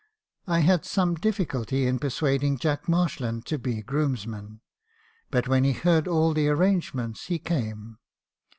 "I had some difficulty in persuading Jack Marshland to be groomsman; but when he heard all the arrangements, he came.